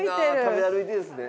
食べ歩いてるんですね。